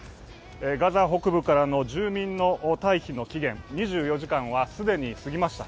ガザ北部からの住民退避の期限２４時間は既に過ぎました。